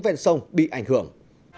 về sông bị ảnh hưởng